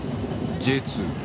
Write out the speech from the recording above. Ｊ２